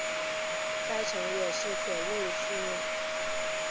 该城也是铁路枢纽。